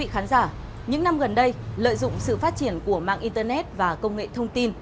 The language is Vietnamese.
hãy đăng ký kênh để ủng hộ kênh của chúng mình nhé